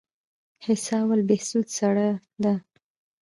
حصه اول بهسود سړه ده؟